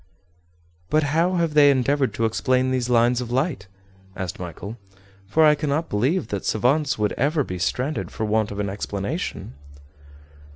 "But how have they endeavored to explain these lines of light?" asked Michel; "for I cannot believe that savants would ever be stranded for want of an explanation."